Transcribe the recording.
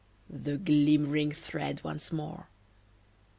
The glimmering thread once more!